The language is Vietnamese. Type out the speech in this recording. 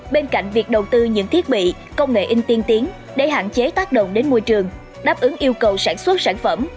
bên cạnh việc đầu tư những thiết bị công nghệ in tiên tiến để hạn chế tác động đến môi trường đáp ứng yêu cầu sản xuất sản phẩm